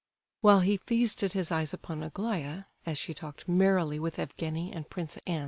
While he feasted his eyes upon Aglaya, as she talked merrily with Evgenie and Prince N.